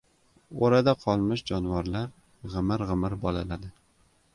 O‘rada qolmish jonivorlar g‘imir-g‘imir bolaladi.